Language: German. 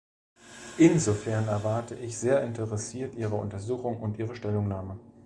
Insofern erwarte ich sehr interessiert Ihre Untersuchung und Ihre Stellungnahme.